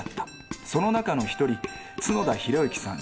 そのなかの一人角田博之さん